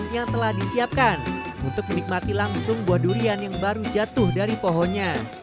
yang telah disiapkan untuk menikmati langsung buah durian yang baru jatuh dari pohonnya